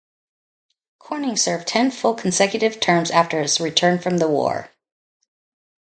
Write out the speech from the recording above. Corning served ten full consecutive terms after his return from the war.